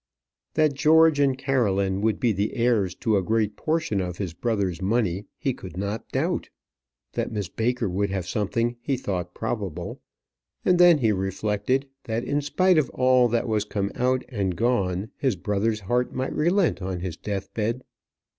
That George and Caroline would be the heirs to a great portion of his brother's money he could not doubt; that Miss Baker would have something he thought probable; and then he reflected, that in spite of all that was come and gone, his brother's heart might relent on his death bed.